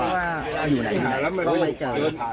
ว่าอยู่ไหนยังไงก็ไม่เจอ